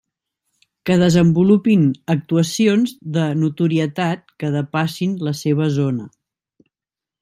Que desenvolupin actuacions de notorietat que depassin la seva zona.